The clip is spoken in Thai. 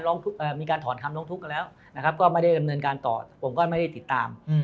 ก่อนธรรมนกทุกข์นะแล้วก็ไม่ได้เงินการต่อผมก็ไม่ได้ติดตาม